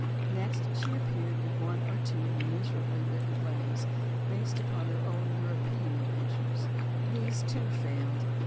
Next she appeared in one or two miserably written plays, based on her own European adventures. These, too, failed.